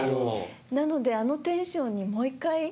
なのであのテンションにもう１回。